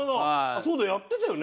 そうだやってたよね。